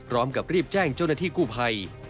พร้อมกับรีบแจ้งเจ้าหน้าที่กู้ภัย